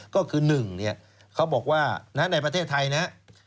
ก็คือ๑ที่บอกว่าในประเทศไทยนะ